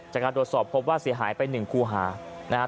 จากการตรวจสอบพบว่าเสียหายไป๑ครูหา